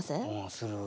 する。